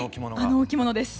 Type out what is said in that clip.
あのお着物です。